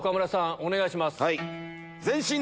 お願いします。